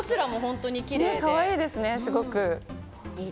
かわいいですね、すごく。